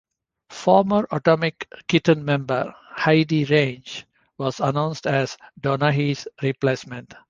Former Atomic Kitten member Heidi Range was announced as Donaghy's replacement.